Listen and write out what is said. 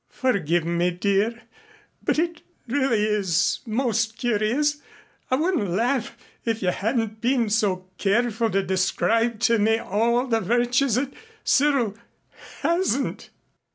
"Forgive me, dear, but it really is most curious. I wouldn't laugh if you hadn't been so careful to describe to me all the virtues that Cyril hasn't."